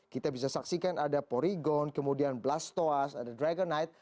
kita bisa saksikan ada porygon kemudian blastoise ada dragonite